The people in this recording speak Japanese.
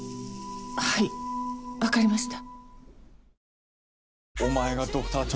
はい分かりました。